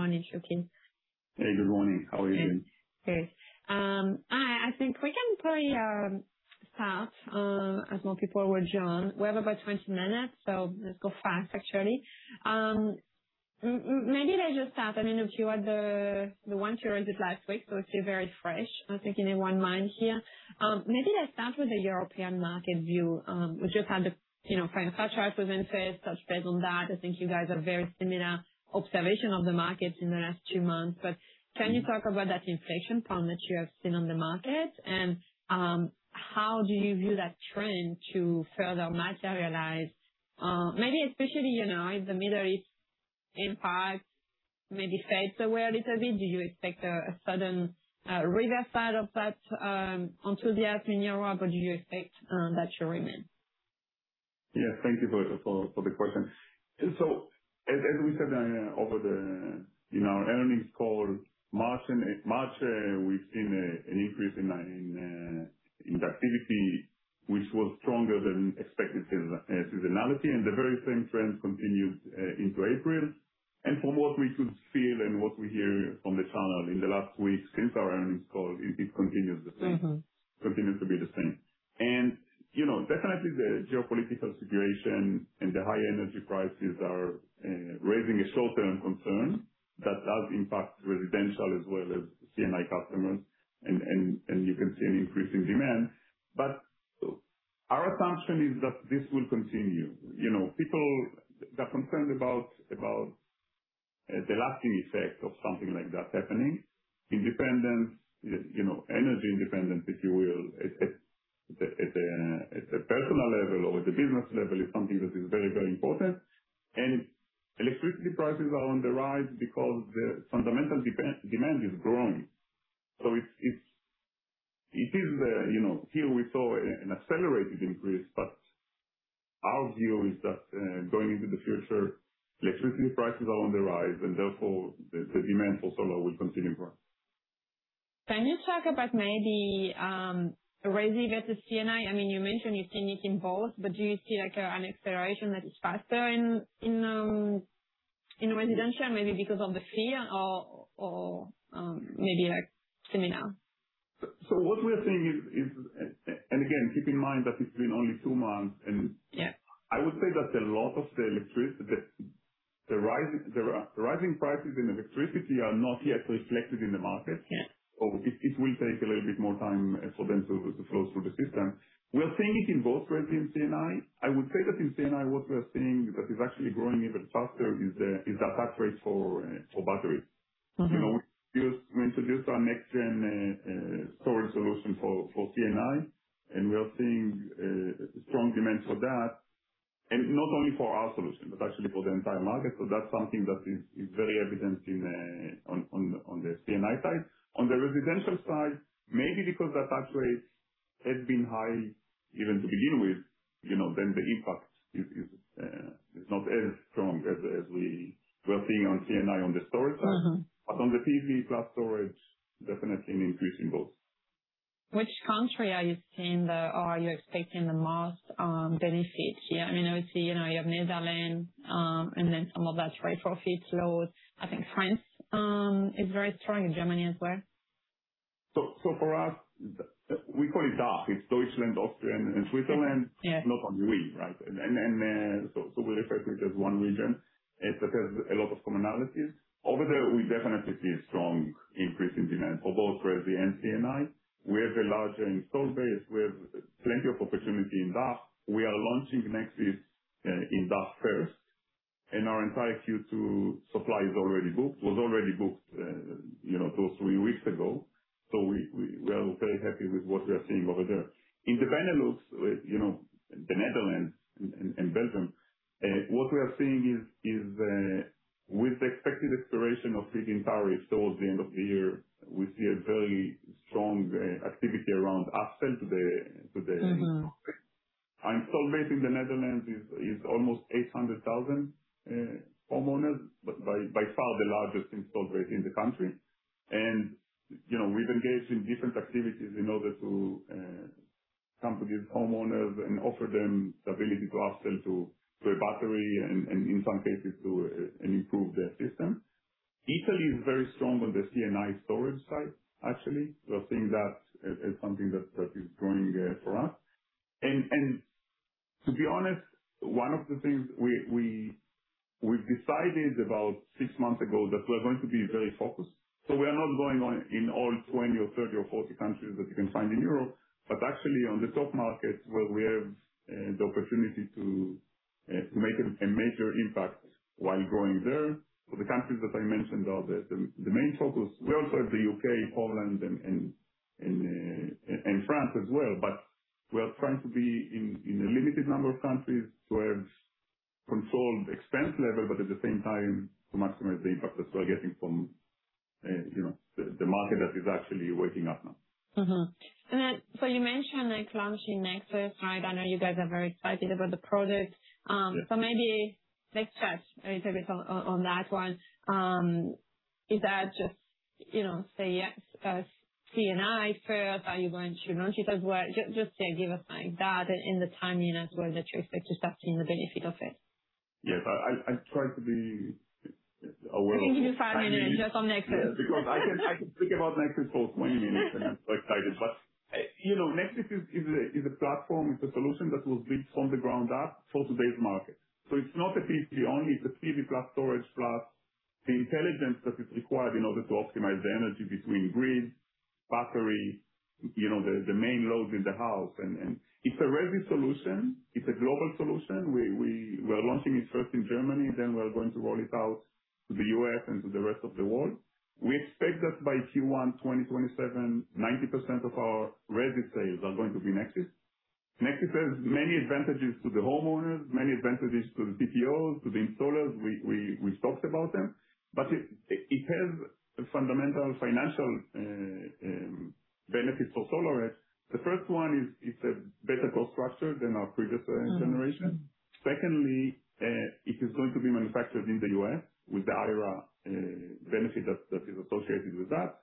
Morning, Shuki. Hey, good morning. How are you doing? Okay. I think we can probably start as more people will join. We have about 20 minutes, so let's go fast, actually. Maybe let's just start. I mean, if you had the one you ended last week, so it's still very fresh. I was thinking in one mind here. Maybe let's start with the European market view. We just had the, you know, kind of touch base with Intersolar, touch base on that. I think you guys are very similar observation of the markets in the last two months. Can you talk about that inflation problem that you have seen on the market? How do you view that trend to further materialize? Maybe especially, you know, if the Middle East impact maybe fades away a little bit. Do you expect a sudden, reverse side of that, enthusiasm in Europe? Or do you expect that to remain? Yeah. Thank you for the question. As we said, in our earnings call, March, we've seen an increase in activity, which was stronger than expected seasonality. The very same trend continued into April. From what we could feel and what we hear from the channel in the last week since our earnings call, it continues the same. Continues to be the same. You know, definitely the geopolitical situation and the high energy prices are raising a short-term concern that does impact residential as well as C&I customers, and you can see an increase in demand. Our assumption is that this will continue. You know, people they're concerned about the lasting effect of something like that happening. Independence, you know, energy independence, if you will, at a personal level or at the business level is something that is very, very important. Electricity prices are on the rise because the fundamental demand is growing. It is, you know, here we saw an accelerated increase, our view is that going into the future, electricity prices are on the rise and therefore the demand for solar will continue to grow. Can you talk about maybe, Resi versus C&I? I mean, you mentioned you've seen it in both, but do you see like an acceleration that is faster in residential maybe because of the fear or maybe like similar? What we are seeing is and again, keep in mind that it's been only two months. Yeah. I would say that a lot of the rising prices in electricity are not yet reflected in the market. Yeah. It will take a little bit more time for them to flow through the system. We are seeing it in both Resi and C&I. I would say that in C&I, what we are seeing that is actually growing even faster is the attach rates for batteries. You know, we introduced our next-gen storage solution for C&I, we are seeing strong demand for that. Not only for our solution, but actually for the entire market. That's something that is very evident on the C&I side. On the residential side, maybe because attach rates has been high even to begin with, you know, the impact is not as strong as we were seeing on C&I on the storage side. On the PV plus storage, definitely an increase in both. Which country are you seeing the or are you expecting the most benefit here? I mean, obviously, you know, you have Netherlands, and then some of that retrofit load. I think France is very strong and Germany as well. For us, we call it DACH. It's Deutschland, Austria, and Switzerland. Yeah. Not on EU, right? We refer to it as one region. It has a lot of commonalities. Over there, we definitely see a strong increase in demand for both Resi and C&I. We have a larger installed base. We have plenty of opportunity in DACH. We are launching Next Gen in DACH first, and our entire Q2 supply is already booked. Was already booked, you know, two, three weeks ago. We are very happy with what we are seeing over there. In the Benelux, you know, the Netherlands and Belgium, what we are seeing is with the expected expiration of feed-in tariff towards the end of the year, we see a very strong activity around upsell to the. Installed base in the Netherlands is almost 800,000 homeowners. By far the largest installed base in the country. You know, we've engaged in different activities in order to come to these homeowners and offer them the ability to upsell to a battery and in some cases to improve their system. Italy is very strong on the C&I storage side, actually. We are seeing that as something that is growing for us. To be honest, one of the things we've decided about six months ago that we are going to be very focused. We are not going on in all 20 or 30 or 40 countries that you can find in Europe, but actually on the top markets where we have the opportunity to make a major impact while growing there. The countries that I mentioned are the main focus. We also have the U.K., Poland and France as well. We are trying to be in a limited number of countries to have controlled expense level, but at the same time to maximize the impact that we are getting from, you know, the market that is actually waking up now. You mentioned, like, launching Nexis, right? I know you guys are very excited about the product. Maybe let's touch a little bit on that one. Is that You know, say, yes, C&I for value launch, you know, Shuki says, well, just say give us like that in the time units where that you expect to start seeing the benefit of it. Yes. I try to be aware of I can give you five minutes just on Nexis. Yeah, because I can speak about Nexis for 20 minutes, and I'm so excited. You know, Nexis is a platform. It's a solution that was built from the ground up for today's market. So it's not a PV only, it's a PV+ storage plus the intelligence that is required in order to optimize the energy between grid, battery, you know, the main loads in the house. It's a Resi Solution. It's a global solution. We're launching it first in Germany, then we are going to roll it out to the U.S. and to the rest of the world. We expect that by Q1 2027, 90% of our Resi sales are going to be Nexis. Nexis has many advantages to the homeowners, many advantages to the TPOs, to the installers. We've talked about them, but it has fundamental financial benefits for SolarEdge. The first one is, it's a better cost structure than our previous generation. Secondly, it is going to be manufactured in the U.S. with the IRA benefit that is associated with that.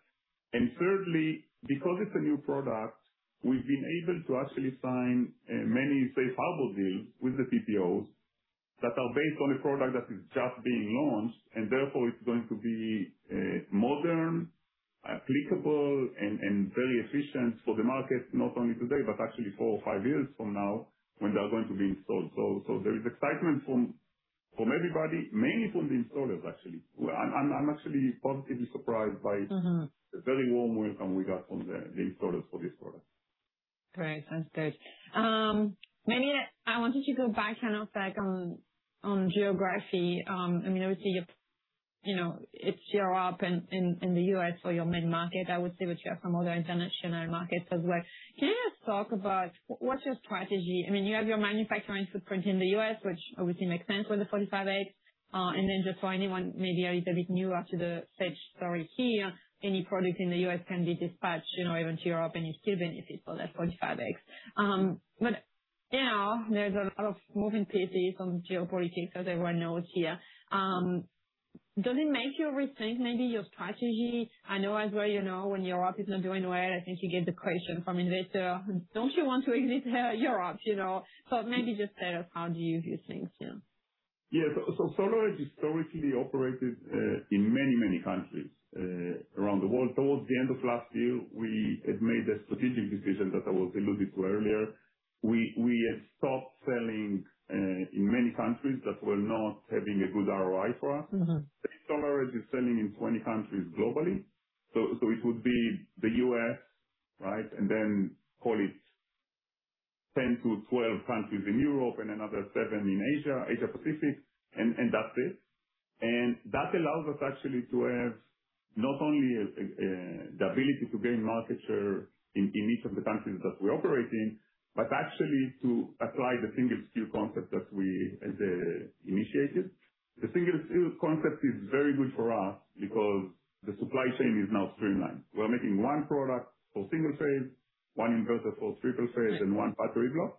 Thirdly, because it's a new product, we've been able to actually sign many safe harbor deals with the TPOs that are based on a product that is just being launched, therefore it's going to be modern, applicable and very efficient for the market, not only today, but actually four or five years from now when they are going to be installed. There is excitement from everybody, mainly from the installers, actually. I'm actually positively surprised by the very warm welcome we got from the installers for this product. Great. Sounds good. Maybe I wanted to go back kind of like on geography. I mean, obviously, you know, it's Europe and the U.S. for your main market, I would say with your some other international markets as well. Can you just talk about what's your strategy? I mean, you have your manufacturing footprint in the U.S., which obviously makes sense with the 45X. Then just for anyone maybe who's a bit newer to the stage story here, any product in the U.S. can be dispatched, you know, even to Europe, and you still benefit for that 45X. Now there's a lot of moving pieces on geopolitics, as everyone knows here. Does it make you rethink maybe your strategy? I know as well, you know, when Europe is not doing well, I think you get the question from investor, "Don't you want to exit, Europe?" You know. Maybe just tell us how do you view things here. Yeah. SolarEdge historically operated in many countries around the world. Towards the end of last year, we had made a strategic decision that I was alluding to earlier. We had stopped selling in many countries that were not having a good ROI for us. SolarEdge is selling in 20 countries globally. It would be the U.S., right? Then call it 10-12 countries in Europe and another seven in Asia Pacific, and that's it. That allows us actually to have not only the ability to gain market share in each of the countries that we operate in, but actually to apply the single SKU concept that we initiated. The single SKU concept is very good for us because the supply chain is now streamlined. We're making one product for single phase, one inverter for triple phase, and one battery block.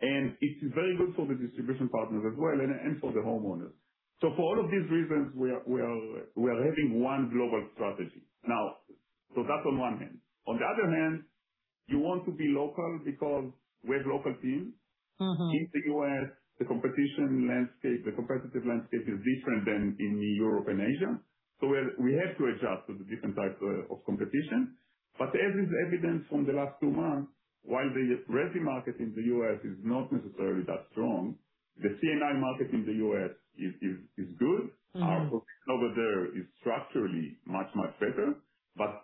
It is very good for the distribution partners as well and for the homeowners. For all of these reasons, we are having one global strategy. That's on one hand. On the other hand, you want to be local because we have local teams. In the U.S., the competition landscape, the competitive landscape is different than in Europe and Asia. We have to adjust to the different types of competition. As is evidenced from the last two months, while the Resi market in the U.S. is not necessarily that strong, the C&I market in the U.S. is good. Our focus over there is structurally much, much better.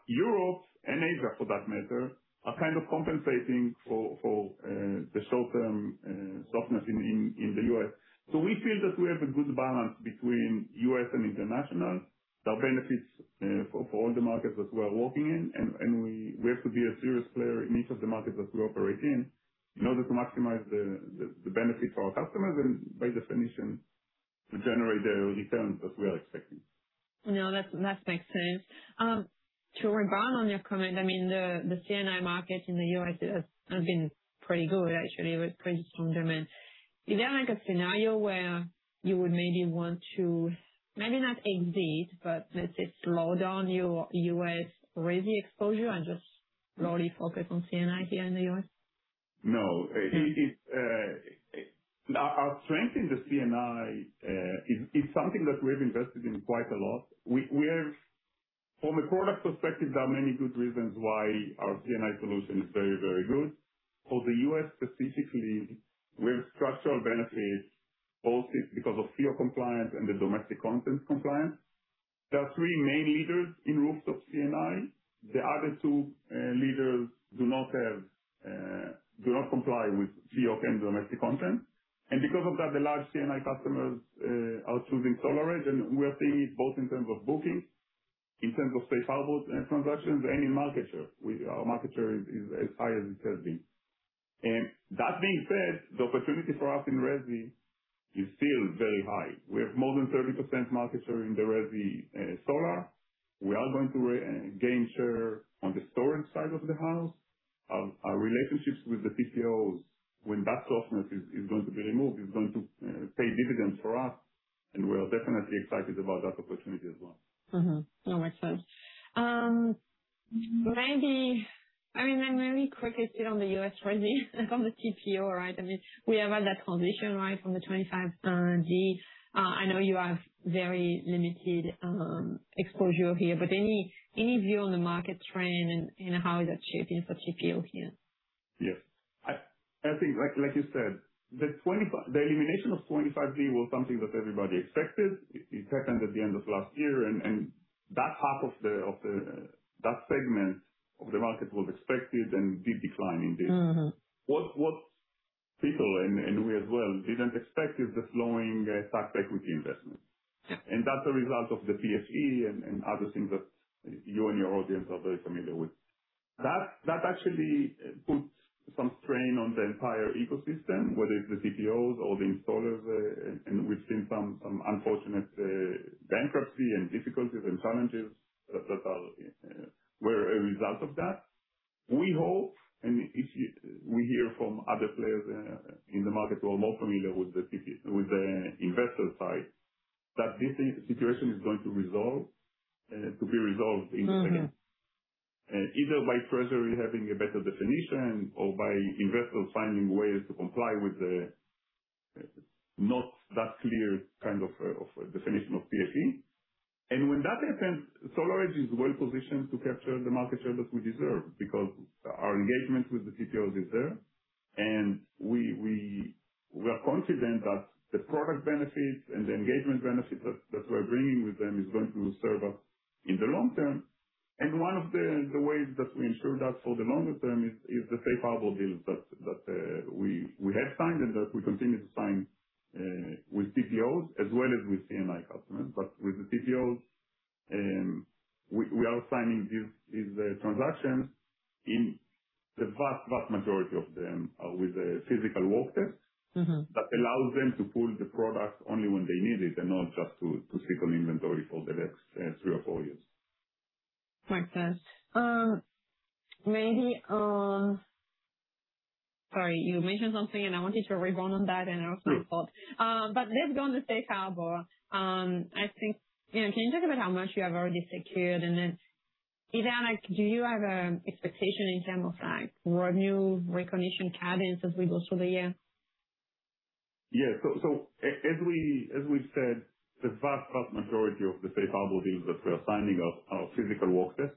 Europe and Asia, for that matter, are kind of compensating for the short-term softness in the U.S. We feel that we have a good balance between U.S. and international. There are benefits for all the markets that we are working in. We have to be a serious player in each of the markets that we operate in order to maximize the benefit for our customers and, by definition, to generate the returns that we are expecting. No, that makes sense. To rebound on your comment, I mean, the C&I market in the U.S. has been pretty good, actually, with pretty strong demand. Is there like a scenario where you would maybe want to, maybe not exit, but let's say slow down your U.S. Resi exposure and just really focus on C&I here in the U.S.? No. It our strength in the C&I is something that we've invested in quite a lot. We have from a product perspective, there are many good reasons why our C&I solution is very good. For the U.S. specifically, we have structural benefits, both because of TAA compliance and the domestic content compliance. There are three main leaders in rooftop C&I. The other two leaders do not have do not comply with TAA and domestic content. Because of that, the large C&I customers are choosing SolarEdge, and we are seeing it both in terms of bookings, in terms of safe harbors and transactions, and in market share. Our market share is as high as it has been. That being said, the opportunity for us in Resi is still very high. We have more than 30% market share in the Resi solar. We are going to gain share on the storage side of the house. Our relationships with the TPOs, when that softness is going to be removed, is going to pay dividends for us, and we are definitely excited about that opportunity as well. That makes sense. Maybe I mean, maybe quick is still on the U.S. Resi from the TPO, right? I mean, we have had that transition, right, from the NEM 2.0. I know you have very limited exposure here, but any view on the market trend and, you know, how is that shaping for TPO here? Yes. I think, like you said, the elimination of NEM 2.0 was something that everybody expected. It happened at the end of last year, and that half of that segment of the market was expected and did decline indeed. What people, and we as well, didn't expect is the slowing tax equity investments. Yeah. that's a result of the PTC and other things that you and your audience are very familiar with. That actually puts some strain on the entire ecosystem, whether it's the TPOs or the installers, and we've seen some unfortunate bankruptcy and difficulties and challenges that were a result of that. We hope, and if we hear from other players in the market who are more familiar with the TPO, with the investor side, that this situation is going to resolve to be resolved in Either by Treasury having a better definition or by investors finding ways to comply with the not that clear kind of definition of PTC. When that happens, SolarEdge is well positioned to capture the market share that we deserve because our engagement with the TPOs is there, and we are confident that the product benefit and the engagement benefit that we're bringing with them is going to serve us in the long term. One of the ways that we ensure that for the longer term is the payable deals that we have signed and that we continue to sign with TPOs as well as with C&I customers. With the TPOs, we are signing these transactions in the vast majority of them with the physical work tests. That allows them to pull the products only when they need it and not just to stick on inventory for the next three or four years. Makes sense. Sorry, you mentioned something, and I want you to rerun on that, and it was my fault. Sure. Let's go on the safe harbor. I think, you know, can you talk about how much you have already secured? then, is there, like, do you have a expectation in term of, like, revenue recognition cadence as we go through the year? Yeah. As we've said, the vast majority of the safe harbor deals that we are signing are physical work tests.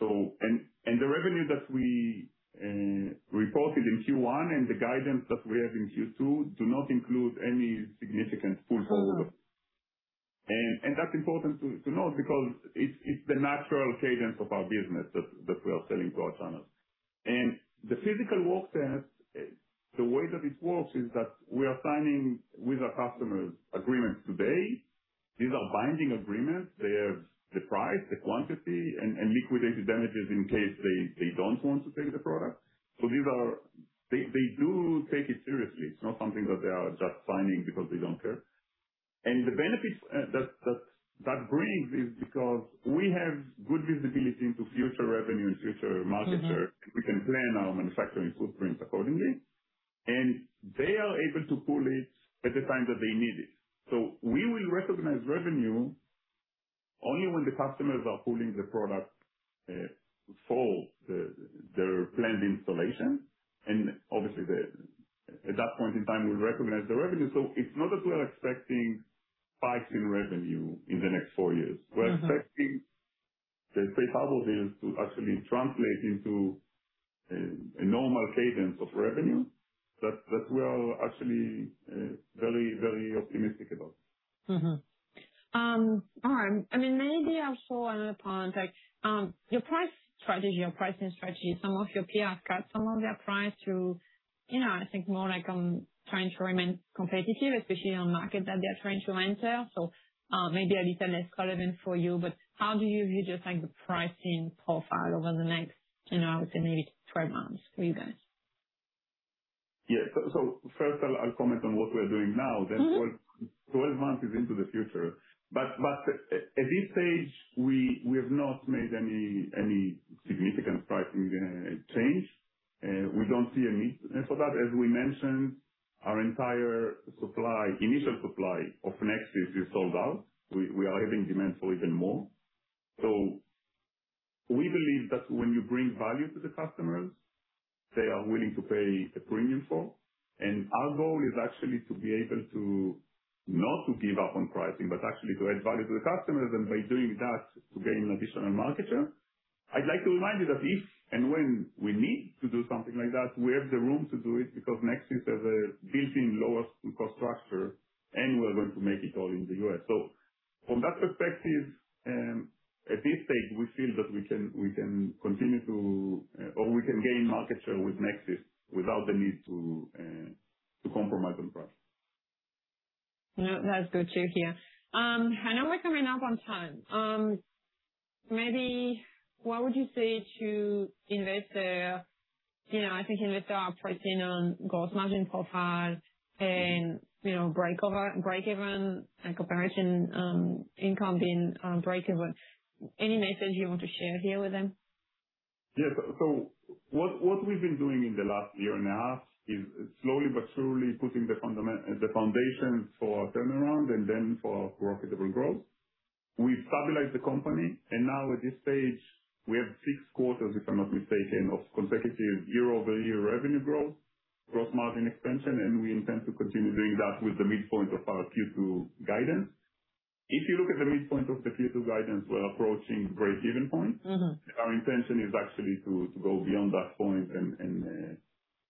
The revenue that we reported in Q1 and the guidance that we have in Q2 do not include any significant pull forward. That's important to note because it's the natural cadence of our business that we are selling to our channels. The physical work tests, the way that it works is that we are signing with our customers agreements today. These are binding agreements. They have the price, the quantity and liquidated damages in case they don't want to take the product. They do take it seriously. It's not something that they are just signing because they don't care. The benefits that brings is because we have good visibility into future revenue and future market share. We can plan our manufacturing footprint accordingly. They are able to pull it at the time that they need it. We will recognize revenue only when the customers are pulling the product for the planned installation. Obviously the at that point in time we'll recognize the revenue. It's not that we are expecting spikes in revenue in the next four years. We're expecting the safe harbor deals to actually translate into a normal cadence of revenue that we are actually very, very optimistic about. All right. I mean, maybe also another point, like, your price strategy, your pricing strategy, some of your peers cut some of their price to, you know, I think more like, trying to remain competitive, especially on market that they're trying to enter. Maybe a little less relevant for you, but how do you view just like the pricing profile over the next, you know, say maybe 12 months for you guys? Yeah. first I'll comment on what we're doing now. 12 months is into the future. At this stage, we have not made any significant pricing change. We don't see a need for that. As we mentioned, our entire supply, initial supply of Nexis is sold out. We are having demand for even more. We believe that when you bring value to the customers, they are willing to pay a premium for. Our goal is actually to be able not to give up on pricing, but actually to add value to the customers and by doing that, to gain additional market share. I'd like to remind you that if and when we need to do something like that, we have the room to do it because Nexis has a built-in lower cost structure, and we are going to make it all in the U.S. From that perspective, at this stage, we feel that we can continue to compromise on price. No, that's good to hear. I know we're coming up on time. Maybe what would you say to investor? You know, I think investors are pricing on gross margin profile and, you know, breakover, breakeven, like, operating income being breakeven. Any message you want to share here with them? Yes. What we've been doing in the last year and a half is slowly but surely putting the foundations for our turnaround and then for our profitable growth. We've stabilized the company, and now at this stage we have six quarters, if I'm not mistaken, of consecutive year-over-year revenue growth, gross margin expansion, and we intend to continue doing that with the midpoint of our Q2 guidance. If you look at the midpoint of the Q2 guidance, we're approaching breakeven point. Our intention is actually to go beyond that point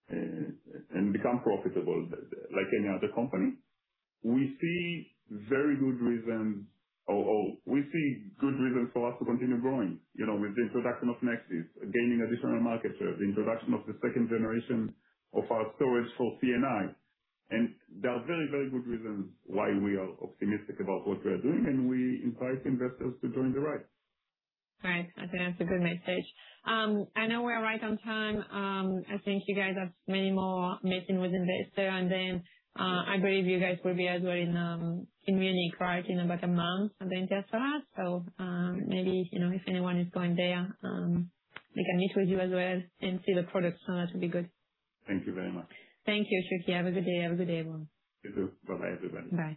and become profitable like any other company. We see very good reasons or we see good reasons for us to continue growing, you know, with the introduction of Nexis, gaining additional market share, the introduction of the second generation of our storage for C&I. There are very good reasons why we are optimistic about what we are doing, and we invite investors to join the ride. Right. I think that's a good message. I know we're right on time. I think you guys have many more meeting with investor. I believe you guys will be as well in Munich, right? In about a month at the Intersolar. Maybe, you know, if anyone is going there, they can meet with you as well and see the products. That would be good. Thank you very much. Thank you, Shuki. Have a good day. Have a good day, all. You too. Bye-bye everybody. Bye.